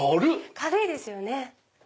軽いですよね。